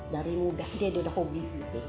dari muda dia dia ada hobi